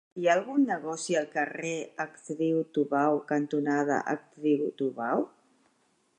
Hi ha algun negoci al carrer Actriu Tubau cantonada Actriu Tubau?